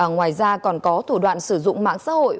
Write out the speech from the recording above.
ngoài ra còn có thủ đoạn sử dụng mạng xã hội